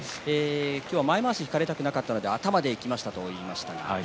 前まわしを引かれたくなかったので頭でいきましたと言いました。